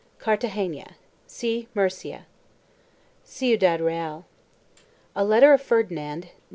3 CARTAGENA. See MURCIA. CIUDAD REAL. A letter of Ferdinand, Nov.